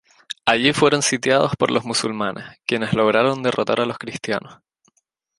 Allí fueron sitiados por los musulmanes, quienes lograron derrotar a los cristianos.